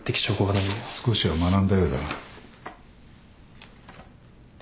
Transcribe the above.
少しは学んだようだな。